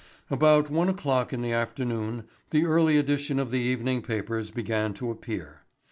About one o'clock in the afternoon the early edition of the evening papers began to appear.